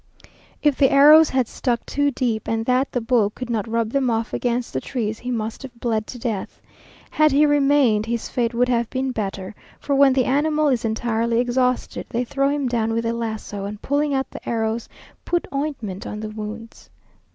If the arrows had stuck too deep, and that the bull could not rub them off against the trees, he must have bled to death. Had he remained, his fate would have been better, for when the animal is entirely exhausted they throw him down with a laso, and pulling out the arrows put ointment on the wounds.